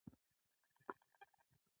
وروسته له پنځو دقیقو سلایډ په بفرونو پرېمنځئ.